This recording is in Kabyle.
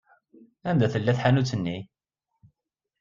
Anda tella tḥanut-nni?